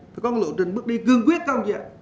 có một lộ trình bước đi cương quyết không vậy